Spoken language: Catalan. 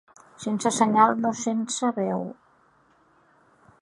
Sense senyal, no sense veu!